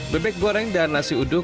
bebek goreng dan nasi uduk